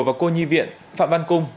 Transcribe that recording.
và cô nhi viện phạm văn cung